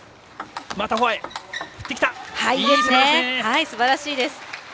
すばらしいです。